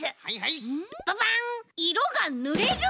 いろがぬれる。